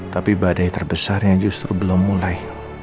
tapi badai terbesarnya justru belum mulai